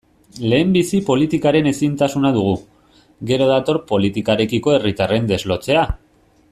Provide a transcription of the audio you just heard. Lehenbizi politikaren ezintasuna dugu, gero dator politikarekiko herritarren deslotzea.